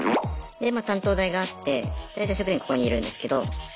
でまあ担当台があって大体職員ここにいるんですけど。